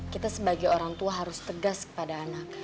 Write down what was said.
kita sebagai orang tua harus tegas kepada anak